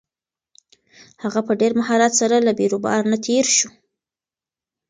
هغه په ډېر مهارت سره له بېروبار نه تېر شو.